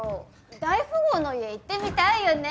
大富豪の家行ってみたいよね？